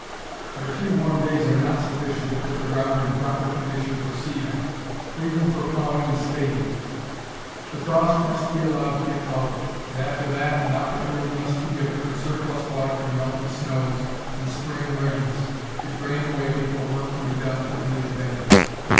But a few warm days are not sufficient to put the ground in proper condition for seeding, or even for plowing and spading. The frost must be allowed to get out of it, and after that an opportunity must be given for surplus water from melting snows and spring rains to drain away before work can be done to any advantage.